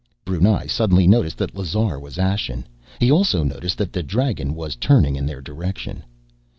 Brunei suddenly noticed that Lazar was ashen. He also noticed that the dragon was turning in their direction.